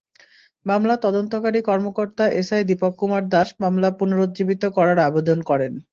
মামলার তদন্তকারী কর্মকর্তা এসআই দীপক কুমার দাস মামলা পুনরুজ্জীবিত করার আবেদন করেন।